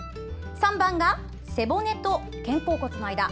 ３番が背骨と肩甲骨の間。